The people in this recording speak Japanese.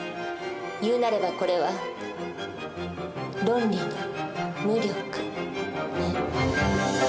言うなればこれは「ロンリの無力」ね。